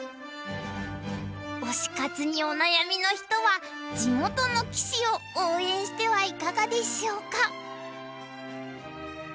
推し活にお悩みの人は地元の棋士を応援してはいかがでしょうか？